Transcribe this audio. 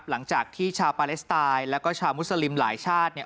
หลังจากที่ชาวปาเลสไตยและชาวมุสลิมหลายชาติ